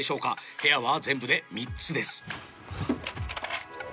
部屋は全部で３つです。